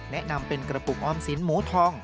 แนะนำเป็นกระปุกออมสินหมูทอง